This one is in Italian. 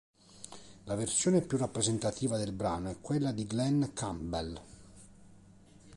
La versione più rappresentativa del brano è quella di Glen Campbell.